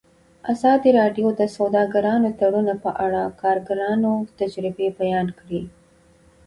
ازادي راډیو د سوداګریز تړونونه په اړه د کارګرانو تجربې بیان کړي.